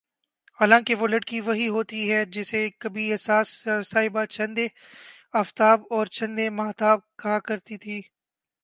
حالانکہ وہ لڑکی وہی ہوتی ہے جسے کبھی ساس صاحبہ چندے آفتاب اور چندے ماہتاب کہا کرتی تھیں